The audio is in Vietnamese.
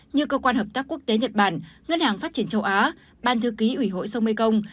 như cơ quan hợp tác quốc tế nhật bản ngân hàng phát triển châu á ban thư ký ủy hội sông mekong